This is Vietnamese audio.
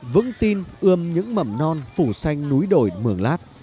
vững tin ươm những mầm non phủ xanh núi đồi mường lát